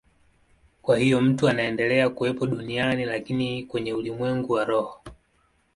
Kwa hiyo mtu anaendelea kuwepo duniani, lakini kwenye ulimwengu wa roho.